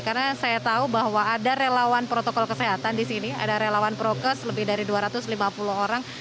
karena saya tahu bahwa ada relawan protokol kesehatan di sini ada relawan prokes lebih dari dua ratus lima puluh orang